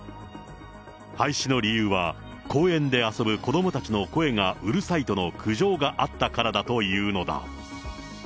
廃止の理由は、公園で遊ぶ子どもたちの声がうるさいとの苦情があったからだというのだ。